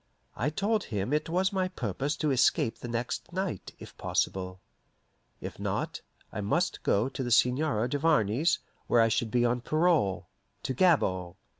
I told him it was my purpose to escape the next night, if possible. If not, I must go to the Seigneur Duvarney's, where I should be on parole to Gabord.